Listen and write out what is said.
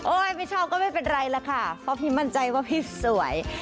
ไม่ชอบก็ไม่เป็นไรล่ะค่ะเพราะพี่มั่นใจว่าพี่สวย